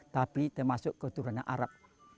tapi termasuk keturunan arab